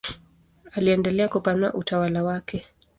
Aliendelea kupanua utawala wake.